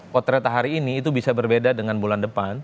potret hari ini itu bisa berbeda dengan bulan depan